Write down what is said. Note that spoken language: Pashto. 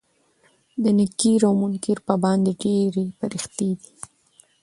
دا نکير او منکر په باندې ډيرې پريښتې دي